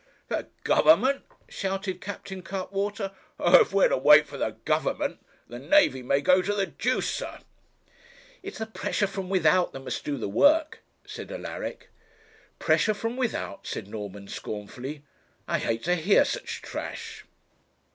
'The Government!' shouted Captain Cuttwater; 'oh! if we are to wait for the Government, the navy may go to the deuce, sir.' 'It's the pressure from without that must do the work,' said Alaric. 'Pressure from without!' said Norman, scornfully; 'I hate to hear such trash.'